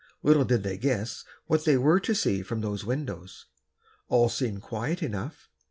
Little did they guess what they were to see from those windows. All seemed quiet enough.